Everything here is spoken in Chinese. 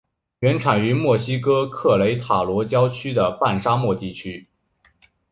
原产于墨西哥克雷塔罗郊区的半沙漠地区。